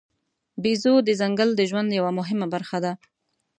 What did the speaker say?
بیزو د ځنګل د ژوند یوه مهمه برخه ده.